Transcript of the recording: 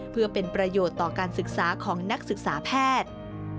เพื่อเป็นประโยชน์ต่อการศึกษาของนักศึกษาแพทย์